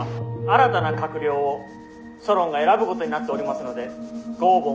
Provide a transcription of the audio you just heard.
「新たな閣僚をソロンが選ぶことになっておりますのでご応募